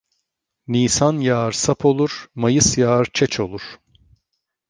Nisan yağar sap olur, mayıs yağar çeç olur.